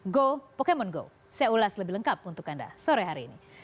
go pokemon go saya ulas lebih lengkap untuk anda sore hari ini